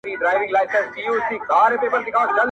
راسه د يو بل اوښکي وچي کړو نور.